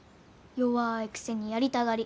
弱いくせにやりたがり。